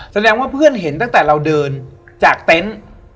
แสดงว่าเพื่อนเห็นตั้งแต่เราเดินจากเต็นต์